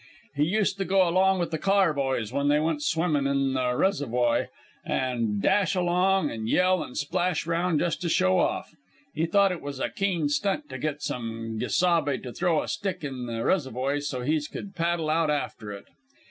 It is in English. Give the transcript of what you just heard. He used to go along with the car boys when they went swimmin' in the resevoy, an' dash along in an' yell an' splash round just to show off. He thought it was a keen stunt to get some gesabe to throw a stick in the resevoy so's he could paddle out after it.